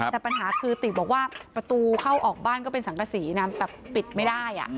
แต่ปัญหาคือติบอกว่าประตูเข้าออกบ้านก็เป็นสังกษีนะแบบปิดไม่ได้